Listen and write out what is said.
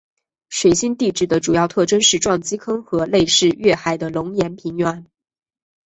水星地质的主要特征是撞击坑和类似月海的熔岩平原。